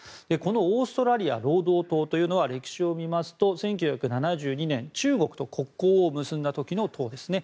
オーストラリア労働党というのは歴史を見ますと１９７２年、中国と国交を結んだ時の党ですね。